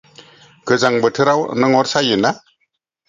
गोजां बोथोराव नों अर सायो ना?